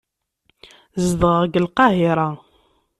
Zedɣeɣ deg Lqahira.